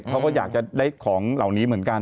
เขาก็อยากจะได้ของเหล่านี้เหมือนกัน